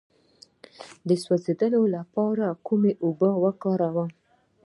د سوځیدو لپاره کومې اوبه وکاروم؟